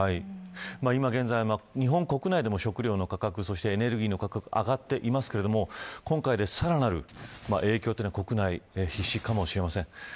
今、現在国内でも食料の価格、エネルギーの価格が上がっていますが今回で、さらなる影響国内、必至かもしれません。